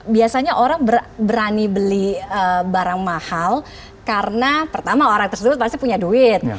biasanya orang berani beli barang mahal karena pertama orang tersebut pasti punya duit